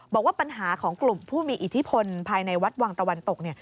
บอกว่าปัญหาของกลุ่มผู้มีอิทธิพลภายในวัดวังตะวันตก